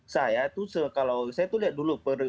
saya itu kalau saya tuh lihat dulu